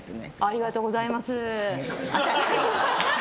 ありがとうございます。